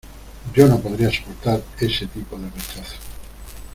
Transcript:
¡ Yo no podría soportar ese tipo de rechazo!